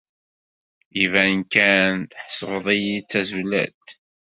Iban kan tḥesbed-iyi d tazulalt.